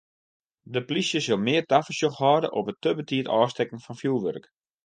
De polysje sil mear tafersjoch hâlde op it te betiid ôfstekken fan fjoerwurk.